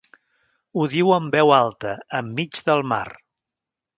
Ho diu en veu alta, enmig del mar.